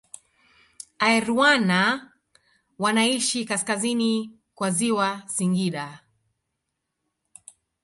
Airwana wanaishi kaskazini kwa ziwa Singida